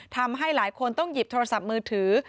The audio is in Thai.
ทำให้หลายคนต้องหยิบโทรศัพท์มือถือ